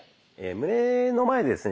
胸の前でですね